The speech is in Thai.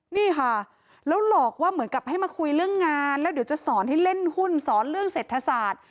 นี่ค่ะแล้วหลอกว่าเหมือนกับให้มาคุยเรื่องงานแล้วเดี๋ยวจะสอนให้เล่นหุ้นสอนเรื่องเศรษฐศาสตร์